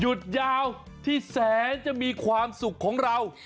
ยาวที่แสนจะมีความสุขของเรา